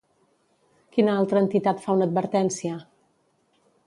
Quina altra entitat fa una advertència?